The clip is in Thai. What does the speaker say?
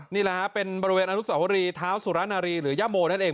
นี่แหละฮะเป็นบริเวณอนุสาวรีเท้าสุรนารีหรือย่าโมนั่นเอง